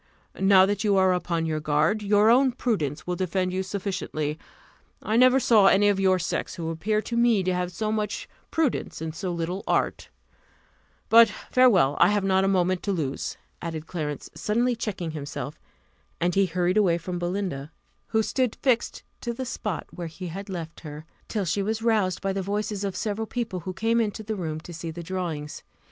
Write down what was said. Now that you are upon your guard, your own prudence will defend you sufficiently. I never saw any of your sex who appeared to me to have so much prudence, and so little art; but farewell I have not a moment to lose," added Clarence, suddenly checking himself; and he hurried away from Belinda, who stood fixed to the spot where he left her, till she was roused by the voices of several people who came into the room to see the drawings.